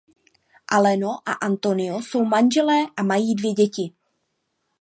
Elena a Antonio jsou manželé a mají dvě děti.